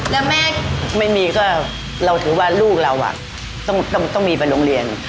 แล้วแม่ไม่มีก็เราถือว่าลูกเราต้องมีไปโรงเรียน